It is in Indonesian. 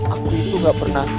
aku itu gak pernah